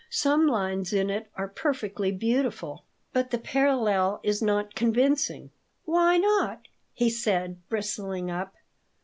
"Some lines in it are perfectly beautiful. But the parallel is not convincing." "Why not?" he said, bristling up.